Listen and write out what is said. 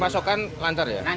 pasokan lancar ya